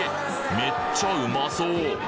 めっちゃうまそう！